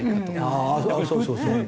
ああそうそうそう。